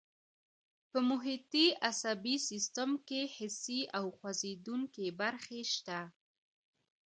په محیطي عصبي سیستم کې حسي او خوځېدونکي برخې شته.